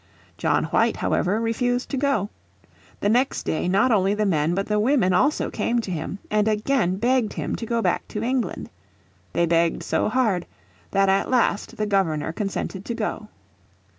John White, however, refused to go. The next day not only the men but the women also came to him and again begged him to go back to England. They begged so hard that at last the Governor consented to go.